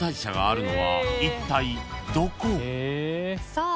さあ